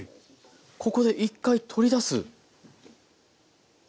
ここで１回取り出す？